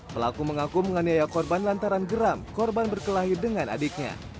pelaku mengaku menganiaya korban lantaran geram korban berkelahi dengan adiknya